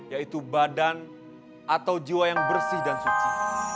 yaitu badan atau jiwa yang bersih dan suci